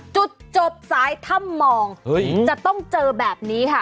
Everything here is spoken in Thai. จุดจบสายถ้ำมองจะต้องเจอแบบนี้ค่ะ